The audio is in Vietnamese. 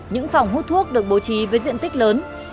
những phòng hút thuốc được bố trí với diện tích lớn